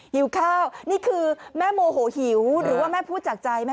หิวข้าวนี่คือแม่โมโหหิวหรือว่าแม่พูดจากใจไหม